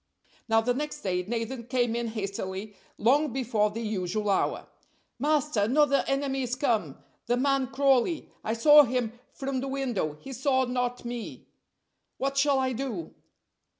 Now the next day Nathan came in hastily long before the usual hour. "Master, another enemy is come the man Crawley! I saw him from the window; he saw not me. What shall I do?"